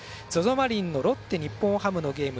マリンのロッテ、日本ハムのゲーム。